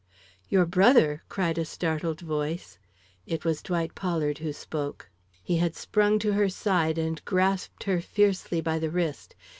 "Your brother?" cried a startled voice. It was Dwight Pollard who spoke. He had sprung to her side and grasped her fiercely by the wrist.